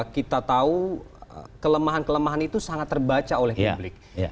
kita tahu kelemahan kelemahan itu sangat terbaca oleh publik